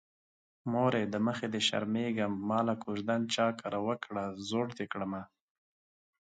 مورې د مخه دې شرمېږم ماله کوژدن چا کره وکړه زوړ دې کړمه